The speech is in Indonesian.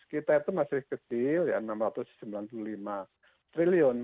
kita itu masih kecil ya rp enam ratus sembilan puluh lima triliun